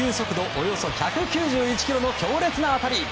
およそ１９１キロの強烈な当たり！